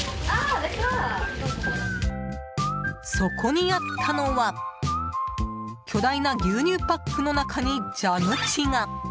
そこにあったのは巨大な牛乳パックの中に蛇口が！